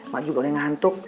mak juga udah ngantuk